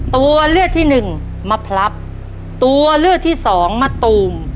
ตัวเลือกที่หนึ่งมะพลับตัวเลือกที่สองมะตูม